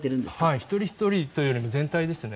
一人ひとりというよりも全体ですね。